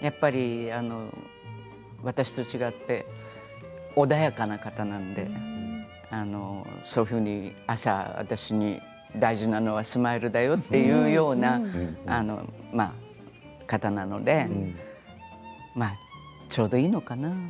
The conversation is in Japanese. やっぱり私と違って穏やかな方なんでそういうふうに朝、私に大事なのはスマイルだよと言うような方なのでちょうどいいのかな。